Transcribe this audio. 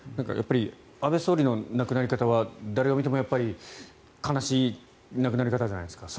安倍総理の亡くなり方は誰が見ても悲しい亡くなり方じゃないですか。